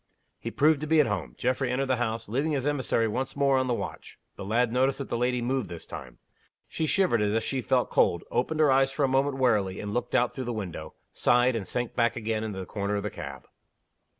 He proved to be at home. Geoffrey entered the house, leaving his emissary once more on the watch. The lad noticed that the lady moved this time. She shivered as if she felt cold opened her eyes for a moment wearily, and looked out through the window sighed, and sank back again in the corner of the cab.